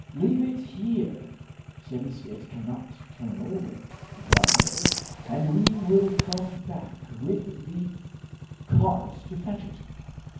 "Leave it here, since it cannot turn over," replied Herbert, "and we will come back with the cart to fetch it."